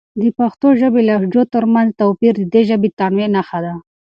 د پښتو ژبې لهجو ترمنځ توپیر د دې ژبې د تنوع نښه ده.